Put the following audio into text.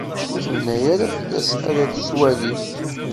Ur tebni ara fell-as ad tt-twali.